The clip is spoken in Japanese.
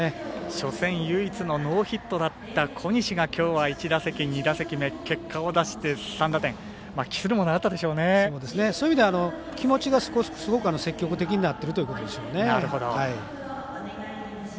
初戦ノーヒットだった小西がきょうは１打席、２打席目結果を出してそういう意味では気持ちがすごく積極的になってるということでしょうね。